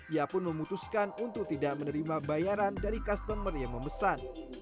ia pun memutuskan untuk tidak menerima bayaran dari customer yang memesan